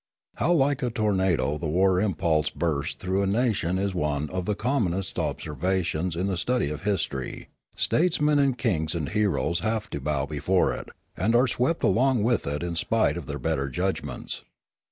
How like a tornado the war impulse bursts through a nation is one of the commonest ob servations in the study of history ; statesmen and kings and heroes have to bow before it, and are swept along with it in spite of their better judgments.